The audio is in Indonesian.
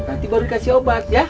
nanti baru dikasih obat ya